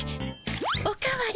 お代わり。